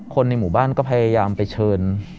ในหมู่บ้านก็พยายามไปเชิญ